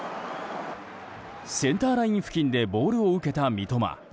センターライン付近でボールを受けた三笘。